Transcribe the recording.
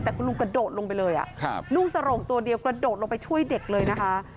แต่คุณลุงกระโดดลงไปเลยนุ่งสโรงตัวเดียวกระโดดลงไปช่วยเด็กเลยนะคะ